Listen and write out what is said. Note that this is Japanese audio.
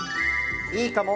いいかも！